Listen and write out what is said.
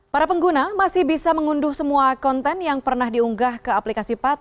para pengguna masih bisa mengunduh semua konten yang pernah diunggah ke aplikasi pad